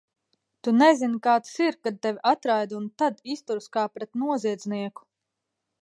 Tu nezini, kā tas ir, kad tevi atraida un tad izturas kā pret noziedznieku!